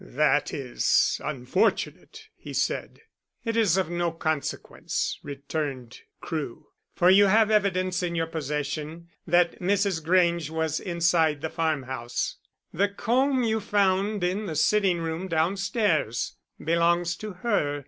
"That is unfortunate," he said. "It is of no consequence," returned Crewe, "for you have evidence in your possession that Mrs. Grange was inside the farmhouse. The comb you found in the sitting room downstairs belongs to her.